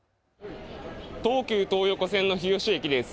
東急東横線の日吉駅です。